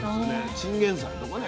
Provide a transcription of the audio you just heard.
チンゲンサイとかね